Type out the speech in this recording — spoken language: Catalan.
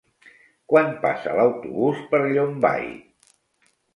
Quan passa l'autobús per Llombai?